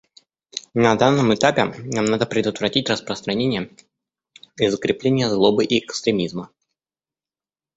На данном этапе нам надо предотвратить распространение и закрепление злобы и экстремизма.